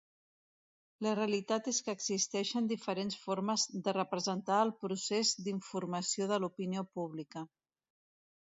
La realitat és que existeixen diferents formes de representar el procés d'informació de l'opinió pública.